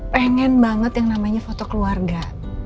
pengen banget yang namanya foto keluarga